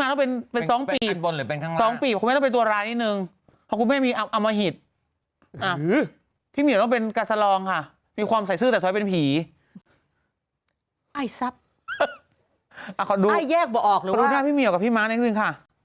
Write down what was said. อะขอดูอ้าวแยกบอกหรือว่าคอดูหน้าพี่เมียกับพี่ม้านแค่นึงค่ะ